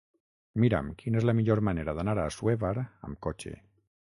Mira'm quina és la millor manera d'anar a Assuévar amb cotxe.